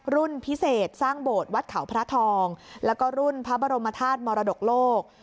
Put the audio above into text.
รุ่นพิเศษสร้างโบสถ์วัดเขาพระทองแล้วก็รุ่นพระบรมธาตุมรดกโลก